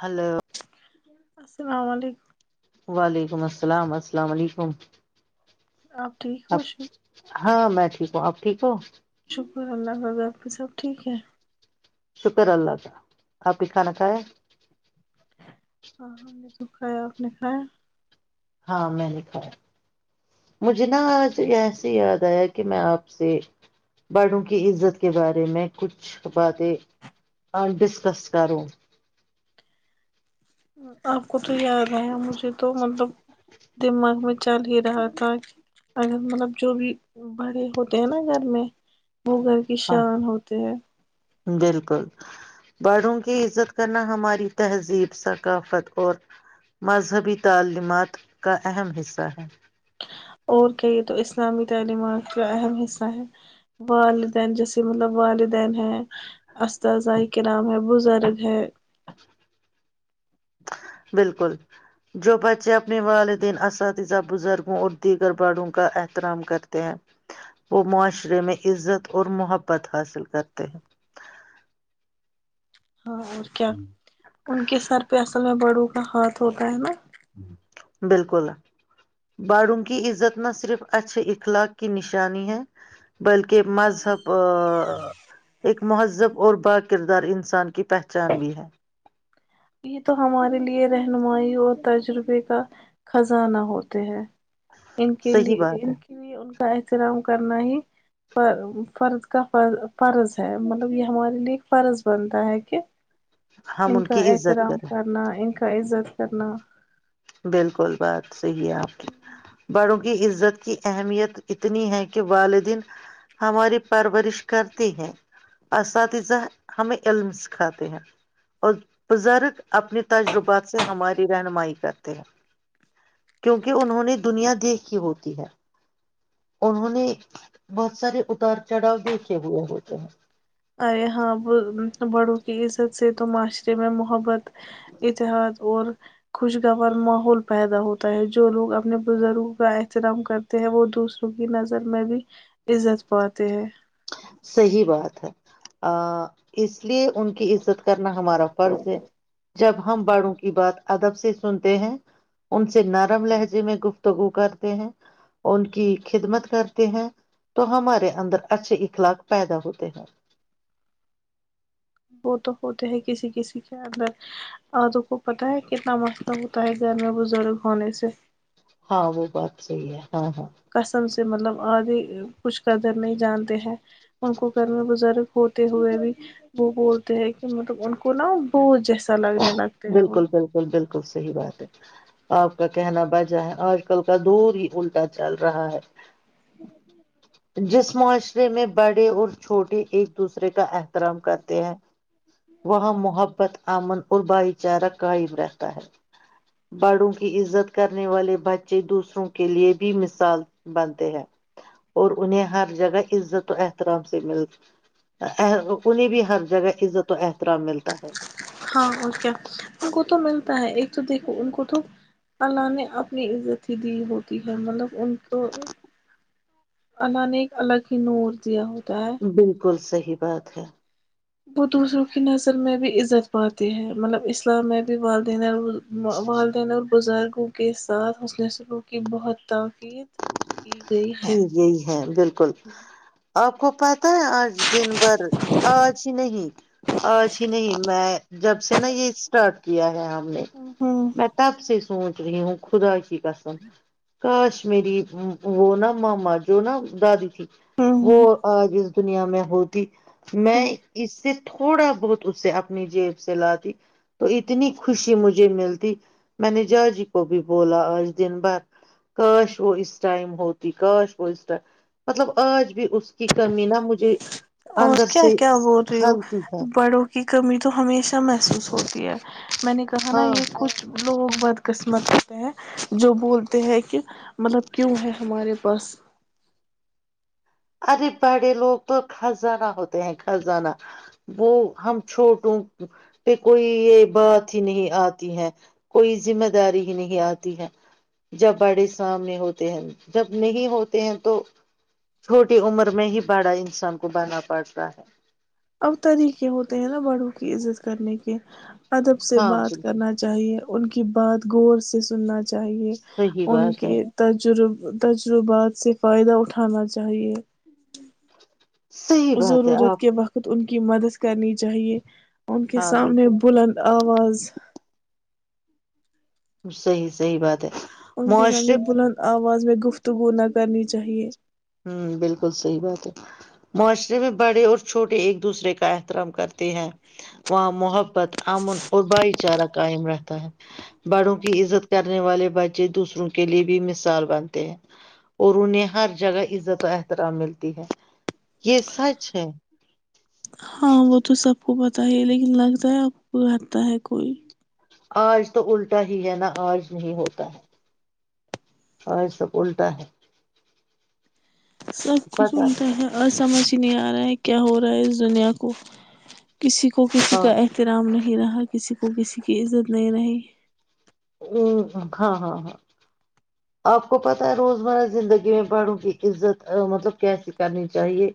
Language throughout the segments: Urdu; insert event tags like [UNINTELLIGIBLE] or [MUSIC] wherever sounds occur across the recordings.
ہلو السلام علیکم وعلیکم السلام السلام علیکم آپ ٹھیک ہوشو ہاں میں ٹھیک ہوں آپ ٹھیک ہوں شکر اللہ کے ساتھ ٹھیک ہے شکر اللہ کا آپ کی کھانا کھا ہے ہم نے تو کھایا اپ نے کھایا ہاں میں نےکھایا مجھے نا آج ایسے یاد آیا کہ میں آپ سے بڑوں کی عزت کے بارے میں کچھ باتیں ڈسکس کروں آپ کو تو یاد ہے مج تو مطلب دماغ میں چل ہی رہا تھا اگر مطلب جو بھی بڑے ہوتے ہیں نا گھر میں وہ گھر کی ہاں شان ہوتے ہیں بالکل باروں کی عزت کرنا ہماری تہذیب ثقافت اور مذہبی تعلیمات کا اہم حصہ ہے اور کہیے تو اسلامی تعلیمات کا اہم حصہ ہے والدین جیسے مطلب والدین ہیں اسذہ کے نام ہے بزرگ ہے بالکل جو بچے اپنے والدین اساتذہ بزرگوں اور دیگر باڑوں کا احترام کرتے ہیں وہ معاشرے میں عزت اور محبت حاصل کرتے ہیں ہاں اور کیا ان کے سر پہ اصل میں بڑوں کا ہاتھ ہوتا ہے نا بالکل باڑوں کی عزت نہ صرف اچھے اخلاق کی نشانی ہے بلکہ مذہب ایک مہذب اور با کردار انسان کی پہچان بھی ہے یہ تو ہمارے لیے رہنمائی اور تجربے کا خزانہ ہوتے ہیں ان کے صحیح لیے بات ہے ان کے لیے ان کا ایا اترام کرنا ہی فرض کا ف فرض ہے مطلب یہ ہمارے لیے ایک فرض بنتا ہے کہ ہم ان کی عزت کام کریں کرنا ان کا عزت کرنا بالکل بس ی آپ کی بڑوں عزت کی اہمیت اتنی ہے کہ والدین ہماری پرورش کرتے ہیں اساتذہ ہمیں علم سکھاتے ہیں اور بزرگ اپنے تجربات سے ہماری رہنمائی کرتے کیونکہ انہوں نے دنیا دیکھ کی ہوتی ہے انہوں نے بہت سارے اتار چڑھاؤ دیکھے ہوئے ہوتے ہیں آ ہاں بڑوں کی عزت سے تو معاشرے میں محبت اتحاد اور خوشگوار ماحول پیدا ہوتا ہے جو لوگ اپنے بزرگوں کا احترام کرتے ہیں وہ دوسروں کی نظر میں بھی عزت پاتے ہیں صحی بات ہے اس اس لیے ان کی عزت کرنا ہمارا فرض ہے جب ہم باڑوں کی بات ادب سے سنتے ہیں ان سے نرم لہجے میں گفتگو کرتے ہیں ان کی خدمت کرتے ہیں تو ہمارے اندر اچھے لاگ پیدا ہوتے ہیں وہ تو ہوتے ہیں کسی کسی کے اندر آدو کو پتاہ ہے کتنا مسئلہ ہوتا ہے گھر میں بزرگ ہونے سے ہاں وہ بات صحی ہے ہاں ہاں قسم مطلب آگے کچھ قدر نہیں جانتے ہیں ان کو گھر میں بزرگ ہوتے ہوئے بھی وہ بولتے ہیں کہ مطلب ان کو نا بوھ جیسا لگتا بالکل بالکل بالکل صحی بات ہے آپ کا کہنا بجا ہے آج کل کا دور ہی الٹا چل رہا ہے جس معاشرے میں بڑے اور چھوٹے ایک دوسرے کا احترام کرتے ہیں وہاں محبت امن اور بائک چارہ قائم رہتا ہے بڑوں کی عزت کرنے والے بچے دوسروں کے لیے بھی مثال بنتے ہیں اور انہیں ہر جگہ عزت و احترام سے مل انہیں بھی ہر جگہ عزت و احترام ملتا ہے ہاں اور کیا ان کو تو ملتا ہے ایک تو دیکھو ان کو تو اللہ نے اپنی عزت ہی دی ہوتی ہے مطلب ان کو اللہ نے ایک الگ ہی نور دیا ہوتا ہے بالکل صحیح یہی بات ہے وہ دوسروں کی نظر میں بھی عزت پاتی ہے مطلب اسلام میں بھی والدینہ والدین اور بزرگ کے ساتھ ح نے سروع کی بہت تقید ج یہی ہے بالکل آپ کو پاس آج دن بھر آج ہی نہیں آج ہی نہیں میں جب سے نا یہ اسٹارٹ کیا ہے ہم ہوں میں تپ سے سوچ رہی ہوں خدا ھیکس کاش مری وہ نا ماما جو نہا داد ت وہ ہوں جس دنیا میں ہوتی ہ میں اس سے تھوڑا بہت اسے اپنی جیب سے لاتی تو اتنی خوشی مجھے ملتی میں نے جاجی کو بھی بولا آج دن بھر کاش وہ اس ٹائم ہو کاش پو مطلب آج بھی اس کی کمی نہا مجھے اور اندر کیا سے کیا بول رہی ہو ہلتی ہے بڑوں کی کمی تو ہمیشہ محسوس ہوتی ہے میں نے کہا نا ہاں یہ کچھ لوگ بدقسمت ہوتے ہیں جو بولتے ہیں کہ مطلب کیوں ہے ہمارے پاس ارے بڑے لوگ تو خزانہ ہوتے ہیں خزانہ وہ ہم چھوٹوں پہ کوئی یہ بات ہی نہیں آتی ہے کوئی ذمہ داری ہی نہیں آتی ہے جب بڑے سامنے ہوتے ہیں جب نہیں ہوتے ہیں تو چھوٹی عمر میں ہی بڑا انسان کو بنا پڑتا ہے اب طریقے ہوتے ہیں نا بڑوں کی عزت کرنے کے ادب سے ہاں بات بالکل کرنا چاہیے ان کی بات ور سے سننا چاہیے صحیح ان بات ہے کے تجربے تجربات سے فائدہ اٹھانا چاہیے صحیح بات ہے ضرورت آپ کے وقت ان کی مدد کرنی چاہیے ان کے ہاں سامنے بالکل بلند آواز صحی صحیح بات ہے ان کے معاشرے سامنے بلند آواز اس میں گفتگو نہ کرنی چاہیے ہ بالکل صحیح بات ہے معاشرے میں بڑے اور چھوٹے ایک دوسرے کا احترام کرتے ہیں وہاں محبت امن اور بھائی چارہ قائم رہتا ہے بڑوں کی عزت کرنے والے بچے دوسروں کے لیے بھی مثال بنتے ہیں اور انہیں ہر جگہ عزت و احترام ملتی ہے یہ سچ ہے ہاں وہ تو سب کو بتا تا ہی لیکن لگتا ہے اب کو آتا ہے کوئی آج تو الٹا ہی ہے نا آج نہیں ہوتا ہے آج سب الٹا ہے سب کچھ پتا سنتا ہے سمجھ ہی نہیں آ رہا ہے کیا ہو رہا ہے اس دنیا کو کسی کو کسی ہاں کا احترام نہیں رہا کسی کو کسی کی عزت نہیں رہی ہ ہاں ہاں ہاں آپ کو پتا ہے روزمرہ زندگی میں بڑوں کی عزت مطلب کیسی کرنی چاہیے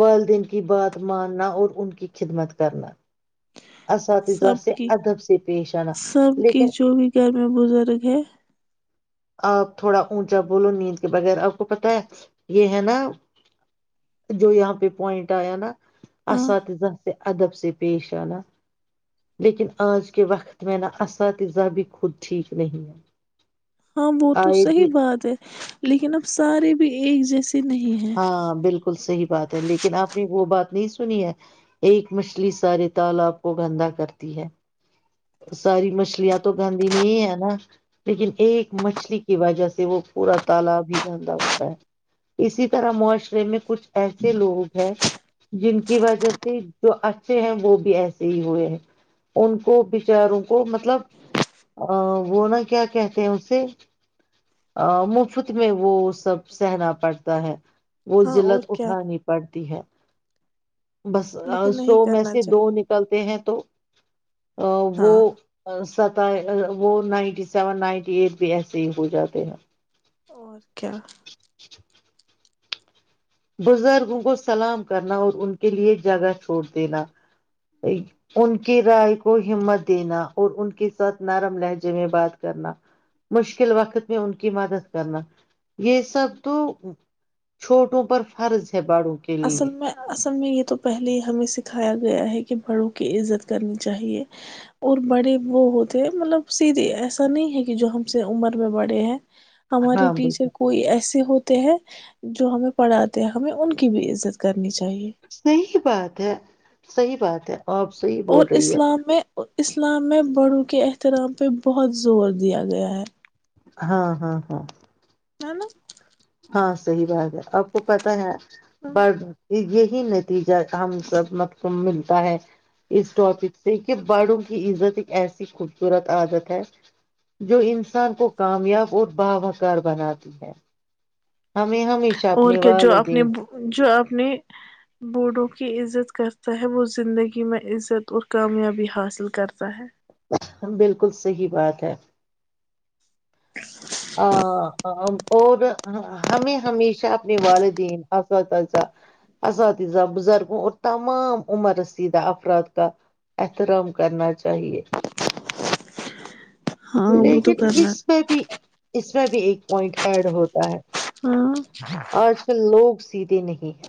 والدین کی بات ماننا اور ان کی خدمت کرنا اساتذہ سب سے کی ادب سے پیش آنا سب لیکن کی جو بھی گھر میں بزرگ ہے آپ تھوڑا اونچا بولو نیند کے بغیر آپ کو پتا ہے یہ ہے نا جو یہاں پہ پوائنٹ آیا نا ہاں اسات ز سے ادب سے پیش آنا لیکن آج کے وقت میں نا اساتذہ بھی خود ٹھیک نہیں ہے ہاں وہ تو آئے صحیح دن بات ہے لیکن اب سارے بھی ایک جیسے نہیں ہیں ہاں بالکل صحیح بات ہے لیکن آپ نے وہ بات نہیں س سنی ہے ایک مچھلی سارے تالاب کو گندا کرتی ہے ساری مچھلیاں تو گندی نہیں ہے نا لیکن ایک مچھلی کی وجہ سے وہ پورا تالاب ہی گندا ہوتا ہے اسی طرح معاشرے میں کچھ ایسے لوگ ہیں جن کی وجہ سے جو اچھے ہیں وہ بھی ایسے ہی ہوئے ہیں ان کو بچاروں کو مطلب ا وہ نا کیا کہتے ہیں اسے مفت میں وہ سب سہنا پڑتا ہے وہ ہاں اور لت کیا اٹھانی پڑتی ہے بس لیکن سو نہیں میں کرنا سے دو چاہیے نکلتے ہیں تو وہ وہ ہاں [UNINTELLIGIBLE] بھی ایسے ہی ہو جاتے ہیں اور کیا؟ سلام کرنا اور ان کے لیے زیادہ چھوڑ دینا ان کی رائے کو ہمت دینا اور ان کے ساتھ نرم لہجے میں بات کرنا مشکل وقت میں ان کی مدد کرنا یہ سب تو چھوٹوں پر فرض ہے بڑوں کے لیے اصل میں اصل میں یہ تو پہلے ہی ہمیں سکھایا گیا ہے کہ بڑوں کی عزت کرنی چاہیے اور بڑے وہ ہوتے ہیں مطلب سیدھے ایسا نہیں ہے کہ جو ہم سے عمر میں بڑے ہیں ہمارے ہاں بالکل ٹیچر کوئی ایسے ہوتے ہیں جو ہمیں پڑھاتے ہیں ہمیں ان بھی عزت کریں صحی بات ہے صحیح بات ہے آپ صحیح اور بول رہی ہے اسلام میں اسلام میں بڑوں کے ایس ارام پہ بہت زور دیا گیا ہے ہاں ہاں ہاں ہ ن ہاں صحیح بات ہے اپ کو پتہ ہے بر بر یہی نتیجہ ہم سب م ملتا ہے اس ٹاپک سے کہ باڑوں کی عزت ایک ایسی خوبصورت عادت ہے جو انسان کو کامیاب اور باوکار بناتی ہے ہمیں ہمیشہ اور اپنے کیا جونے والدین جو اپنے بوڈوں کی عزت کرتا ہے وہ زندگی میں عزت اور کامیابی حاصل کرتا ہے بالکل صحیح بات ہے ہ اور ہمیں ہمیشہ اپنے والدین اساتذہ اساتذہ بزرگوں اور تمام عمر رسیدہ افراد کا احترام کرنا چاہیے ہاں وہ تو لیکن کرنا اس میں بھی اس میں بھی ایک پوائنٹ ایڈ ہوتا ہے ہاں آج کل لوگ سیدھے نہیں ہیں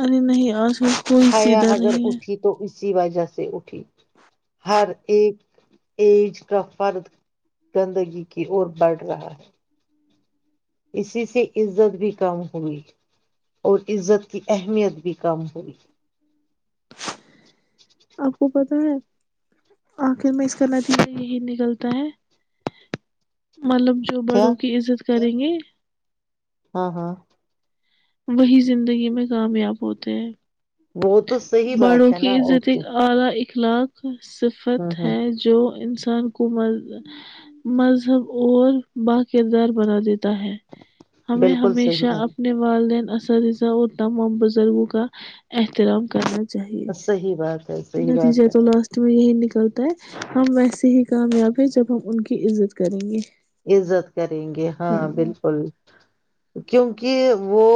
ارے نہیں آج ہ کوئی حیا سیدھا اگر نہیں ہے اٹھی تو وجہ سے اٹھی ہر ایک ایج کا فرد گندگی کی اور بڑھ رہا ہے اسی سے عزت بھی کم ہوئی اور عزت کی اہمیت بھی کم ہوئی آپ کو پتا ہے آخر میں اس کا نتی میں یہی نکلتا ہے مطلب جو کیا بڑوں کی عزت کریں گے ہاں ہاں وہی زندگی میں کامیاب ہوتے ہیں وہ تو صحی بات ہے نا ا کیا خلاف صفت ہے جو انسان کو مذہب اور با کردار بنا دیتا ہے ہمیں بالکل صحیح ہمیشہ بات اپنے والدین اساتذہ اور تمام بزرگوں کا احترام کرنا چاہیے صحیح بات ہے صحیح نتیجے بات ہے تو لاسٹ میں یہی نکل چلتا ہے ہم ویسے ہی کامیاب ہیں جب ہم ان کی عزت کریں گے عزت کریں گے ہاں بالکل کیونکہ وہ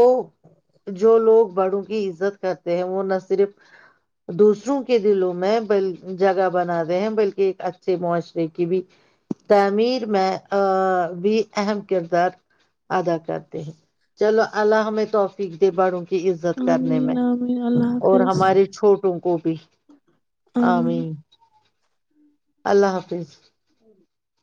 جو لوگ بڑوں کی عزت کرتے ہیں وہ نہ صرف دوسروں کے دلوں میں ب جگہ بناے ہیں بلکہ ایک اچھے معاشرے کی بھی تعمیر میں بھی اہم کردار ادا کرتے ہیں چلو الہ ہم توفیق دے بڑوں کی عزت کرنے میں آمین آمین اللہ اور حافظ ہماریے چھوٹوں کو بھی عام آمین اللہ حافظ [UNINTELLIGIBLE]